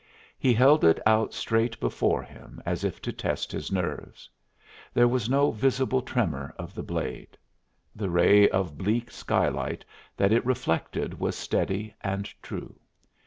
He held it out straight before him, as if to test his nerves. There was no visible tremor of the blade; the ray of bleak skylight that it reflected was steady and true.